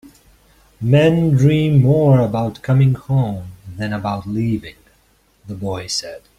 "Men dream more about coming home than about leaving," the boy said.